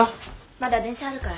まだ電車あるから。